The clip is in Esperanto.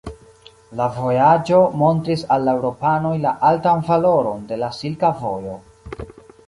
La vojaĝo montris al la eŭropanoj la altan valoron de la Silka Vojo.